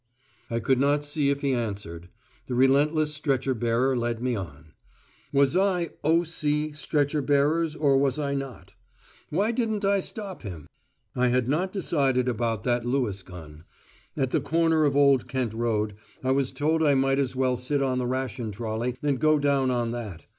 I could not see if he answered. The relentless stretcher bearer led me on. Was I O.C. stretcher bearers or was I not? Why didn't I stop him? I had not decided about that Lewis gun. At the corner of Old Kent Road, I was told I might as well sit on the ration trolley and go down on that.